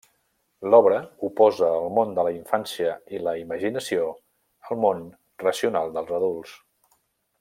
L'obra oposa el món de la infància i la imaginació al món racional dels adults.